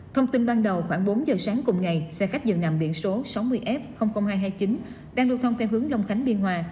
thông tin ban đầu khoảng bốn giờ sáng cùng ngày xe khách dường nằm biển số sáu mươi f hai trăm hai mươi chín đang lưu thông theo hướng long khánh biên hòa